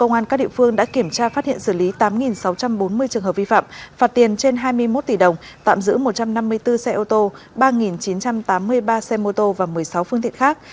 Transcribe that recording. vi phạm phạt tiền trên hai mươi một tỷ đồng tạm giữ một trăm năm mươi bốn xe ô tô ba chín trăm tám mươi ba xe mô tô và một mươi sáu phương tiện khác